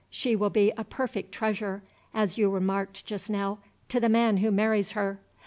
She will be a perfect treasure (as you remarked just now) to the man who marries her.